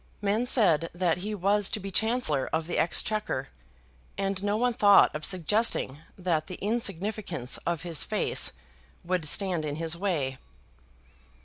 Men said that he was to be Chancellor of the Exchequer, and no one thought of suggesting that the insignificance of his face would stand in his way.